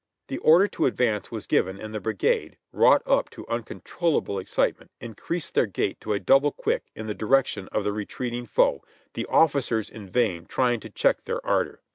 The order to advance was given and the brigade, wrought up to uncontrollable excitement, increased their gait to a double quick in the direction of the retreating foe, the officers in vain trying to check their ardor.